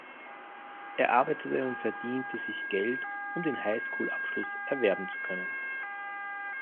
Er arbeitete und verdiente sich Geld, um den Highschool-Abschluss erwerben zu können.